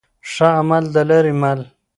ښه عمل دلاري مل